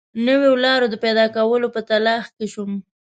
نویو لارو د پیدا کولو په تلاښ کې شوم.